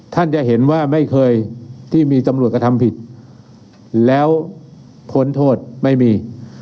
ท่านจะเห็นว่าไม่เคยที่มีตำรวจกระทำผิดแล้วพ้นโทษไม่มี